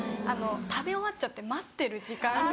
食べ終わっちゃって待ってる時間が。